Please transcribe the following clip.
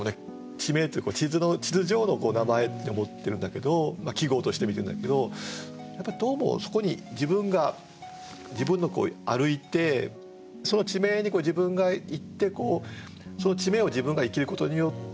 地名って地図上の名前って思ってるんだけど記号として見てるんだけどどうもそこに自分が歩いてその地名に自分が行ってそうそうそう今すごいいいこと言った。